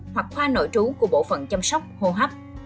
hoặc khoa nội trú của bộ phận chăm sóc hô hấp